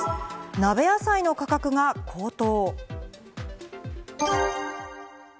鍋野菜の価格が高騰。